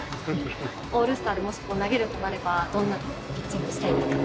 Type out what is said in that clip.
オールスターでもし投げるとなれば、どんなピッチングしたいですか？